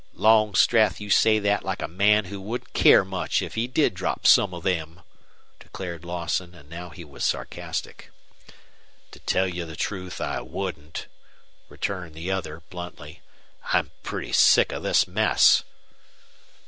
"Longstreth, you say that like a man who wouldn't care much if he did drop some of them," declared Lawson; and now he was sarcastic. "To tell you the truth, I wouldn't," returned the other, bluntly. "I'm pretty sick of this mess."